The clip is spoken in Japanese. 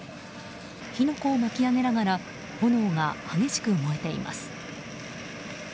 火の粉を巻き上げながら炎が激しく燃えています。